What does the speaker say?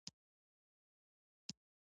ټولې ښځې او نارینه یوازې لوبغاړي دي.